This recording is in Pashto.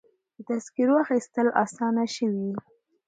د تذکرو اخیستل اسانه شوي؟